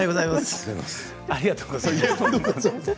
ありがとうございます。